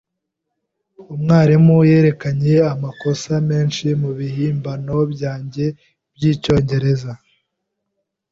Umwarimu yerekanye amakosa menshi mubihimbano byanjye byicyongereza.